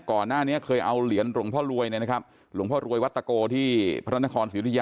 ก่อนหน้านี้เคยเอาเหรียญหลวงพ่อรวยเนี่ยนะครับหลวงพ่อรวยวัตโกที่พระนครศิริยา